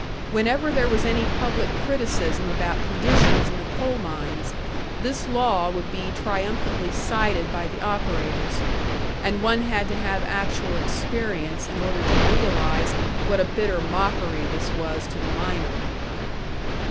Whenever there was any public criticism about conditions in the coal mines, this law would be triumphantly cited by the operators; and one had to have actual experience in order to realise what a bitter mockery this was to the miner.